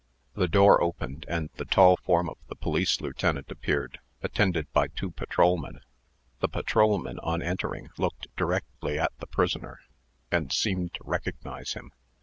The door opened, and the tall form of the police lieutenant appeared, attended by two patrolmen. The patrolmen, on entering, looked directly at the prisoner, and seemed to recognize him.